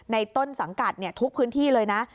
ต้นสังกัดทุกพื้นที่เลยนะ